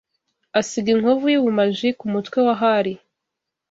asiga inkovu yubumaji kumutwe wa Hari